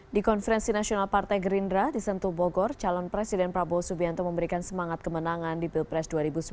di konferensi nasional partai gerindra di sentuh bogor calon presiden prabowo subianto memberikan semangat kemenangan di pilpres dua ribu sembilan belas